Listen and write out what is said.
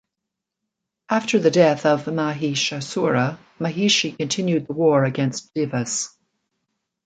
After the death of Mahishasura, Mahishi continued the war against Devas.